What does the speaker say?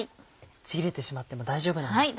ちぎれてしまっても大丈夫なんですね。